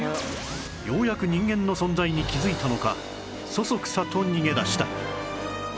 ようやく人間の存在に気づいたのかそそくさと逃げ出した